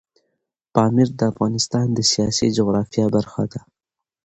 پامیر د افغانستان د سیاسي جغرافیه برخه ده.